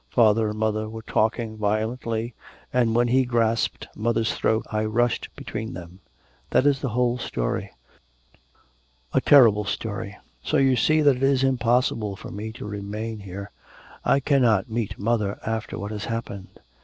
Father and mother were talking violently, and when he grasped mother's throat I rushed between them. That is the whole story.' 'A very terrible story.' 'So you see that it is impossible for me to remain here. I cannot meet mother after what has happened.